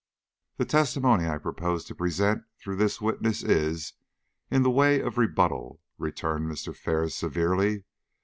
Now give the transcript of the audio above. "The testimony I propose to present through this witness is in the way of rebuttal," returned Mr Ferris, severely.